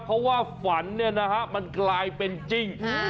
เพราะว่าฝันเนี่ยนะฮะมันกลายเป็นจริง